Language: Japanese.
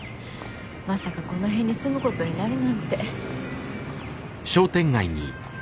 まさかこの辺に住むことになるなんて。